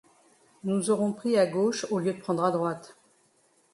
Nous aurons pris à gauche au lieu de prendre à droite.